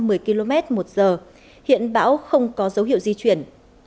gió đo được lên tới hai trăm một mươi km một giờ hiện bão không có dấu hiệu di chuyển